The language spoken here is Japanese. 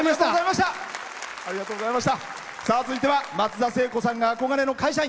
続いては松田聖子さんが憧れの会社員。